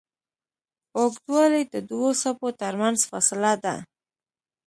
اوږدوالی د دوو څپو تر منځ فاصله ده.